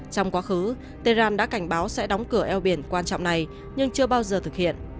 trong quá khứ tem đã cảnh báo sẽ đóng cửa eo biển quan trọng này nhưng chưa bao giờ thực hiện